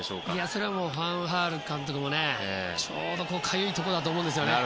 それはもうファンハール監督もかゆいところだと思うんですよね。